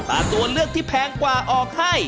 ถ้าตัวเลือกที่แพงกว่าออกให้